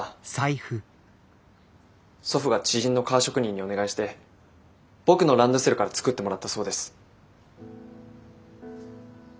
祖父が知人の革職人にお願いして僕のランドセルから作ってもらったそうです。